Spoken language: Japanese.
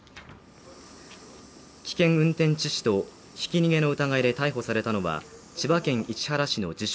危険運転致死とひき逃げの疑いで逮捕されたのは千葉県市原市の自称